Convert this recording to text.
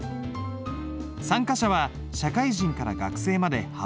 参加者は社会人から学生まで幅広い。